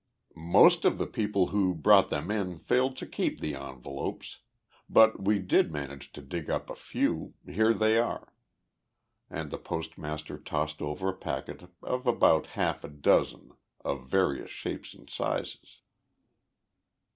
"Most of the people who brought them in failed to keep the envelopes. But we did manage to dig up a few. Here they are," and the postmaster tossed over a packet of about half a dozen, of various shapes and sizes.